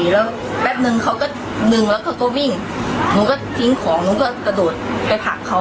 แล้วแป๊บนึงเขาก็ดึงแล้วเขาก็วิ่งหนูก็ทิ้งของหนูก็กระโดดไปผลักเขา